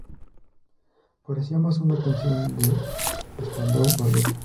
Parecía más una canción de Spandau Ballet.